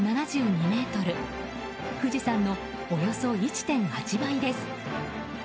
富士山のおよそ１．８倍です。